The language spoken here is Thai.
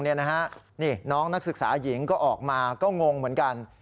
นี่น้องนักศึกษาหญิงก็ออกมาก็งงเหมือนกัน